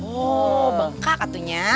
oh bengkak katunya